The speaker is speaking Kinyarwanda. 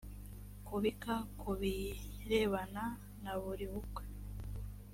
kubika ku birebana na buri bukwe.